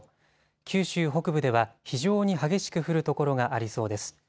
九州北部では非常に激しく降る所がありそうです。